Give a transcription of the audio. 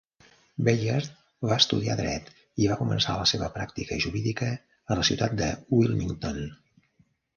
Bayard va estudiar dret i va començar la seva pràctica jurídica a la ciutat de Wilmington.